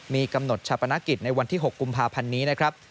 มีกำหนดชาปนกิจในวันที่๖กุมภาพันธ์นี้นะครับ